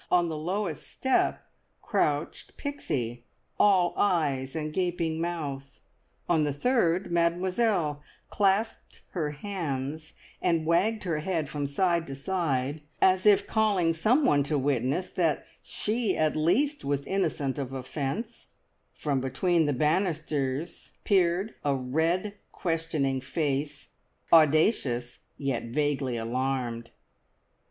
On the lowest step crouched Pixie, all eyes and gaping mouth; on the third Mademoiselle clasped her hands, and wagged her head from side to side, as if calling someone to witness that she at least was innocent of offence; from between the banisters peered a red, questioning face, audacious, yet vaguely alarmed.